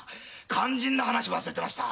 肝心の話を忘れていました。